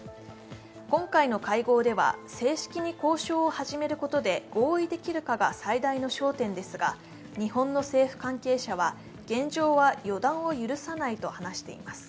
今回の会合では正式に交渉を始めることで合意できるかが最大の焦点ですが、日本の政府関係者は現状は予断を許さないと話しています。